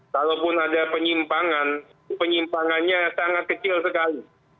kalaupun ada penyimpangan penyimpangannya sangat kecil sekali